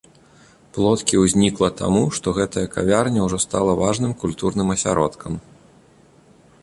Плоткі ўзнікла таму, што гэтая кавярня ўжо стала важным культурным асяродкам.